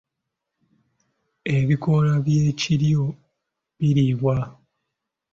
Ebikoola by’ekiryo biriibwa.